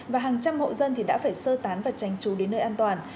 và hàng trăm hộ dân đã phải sơ tán và tranh trú đến nơi an toàn